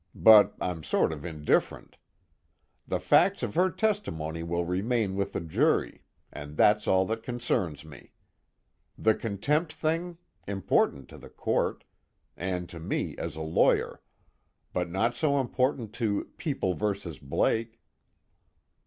But I'm sort of indifferent. The facts of her testimony will remain with the jury, and that's all that concerns me. The contempt thing important to the Court, and to me as a lawyer, but not so important to People vs. Blake."